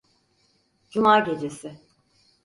Cuma gecesi.